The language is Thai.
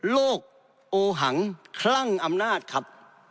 โลกโอหังคลั่งอำนาจครับ